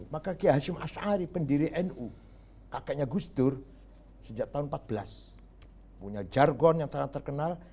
maka kia hashim ash'ari pendiri nu kakaknya gus dur sejak tahun empat belas punya jargon yang sangat terkenal